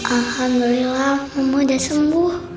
alhamdulillah mama udah sembuh